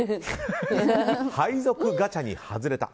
配属ガチャに外れた。